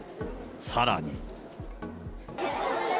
さらに。